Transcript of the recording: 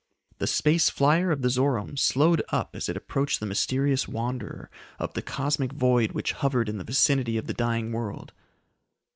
The space flyer of the Zoromes slowed up as it approached the mysterious wanderer of the cosmic void which hovered in the vicinity of the dying world.